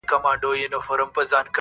د استعمار سوړ باد تېر سوی وي